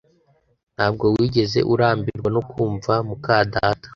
Ntabwo wigeze urambirwa no kumva muka data?